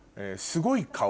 すごい顔。